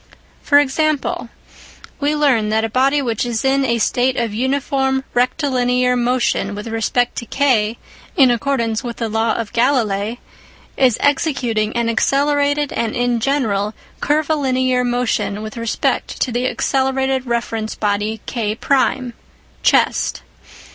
For example, we learn that a body which is in a state of uniform rectilinear motion with respect to K (in accordance with the law of Galilei) is executing an accelerated and in general curvilinear motion with respect to the accelerated reference body K1 (chest).